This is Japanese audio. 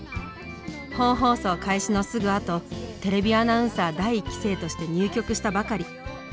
本放送開始のすぐあとテレビアナウンサー第１期生として入局したばかり。